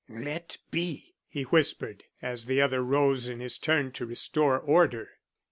"Let be," he whispered, as the other rose in his turn to restore order.